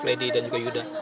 lady dan juga yuda